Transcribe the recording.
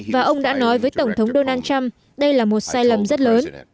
và ông đã nói với tổng thống donald trump đây là một sai lầm rất lớn